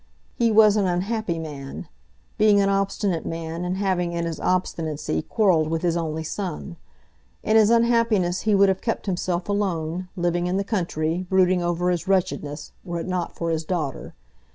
He was an unhappy man; being an obstinate man, and having in his obstinacy quarrelled with his only son. In his unhappiness he would have kept himself alone, living in the country, brooding over his wretchedness, were it not for his daughter.